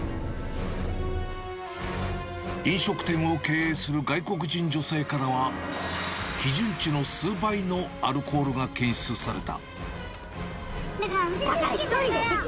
飲食店を経営する外国人女性からは、基準値の数倍のアルコールが検出された。